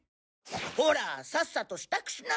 ほらさっさと支度しな！